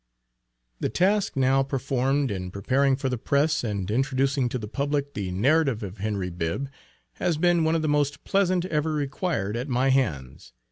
The task now performed, in preparing for the press and introducing to the public the narrative of Henry Bibb, has been one of the most pleasant ever required at my hands.